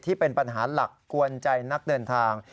ที่เป็นปัญหาหลักกวนใจนักเดินทาง